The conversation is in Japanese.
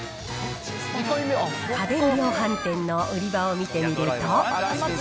家電量販店の売り場を見てみると。